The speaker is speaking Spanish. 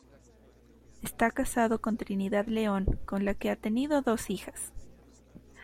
Está casado con Trinidad León con la que ha tenido dos hijas.